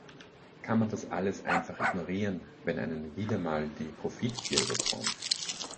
Kann man das alles einfach ignorieren, wenn einen mal wieder die Profitgier überkommt?